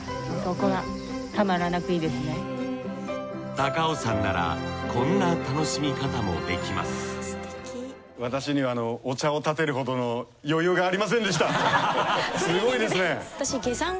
高尾山ならこんな楽しみ方もできますすごいですね。